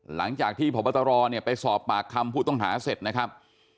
หลังจากที่พบตรเนี่ยไปสอบปากคำผู้ต้องหาเสร็จนะครับ